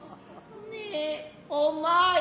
ねえお前。